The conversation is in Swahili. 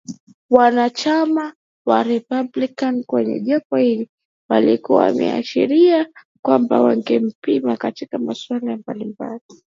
Wanachama wa Republican kwenye jopo hilo walikuwa wameashiria kwamba wangempinga katika masuala mbalimbali